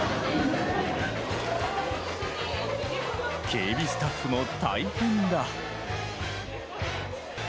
警備スタッフも大変だ。